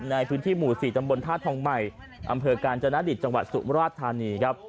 ในพื้นที่หมู่๔ตำบลธาตุทองใหม่อำเภอกาญจนดิตจังหวัดสุมราชธานีครับ